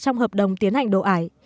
trong hợp đồng tiến hành đổ ải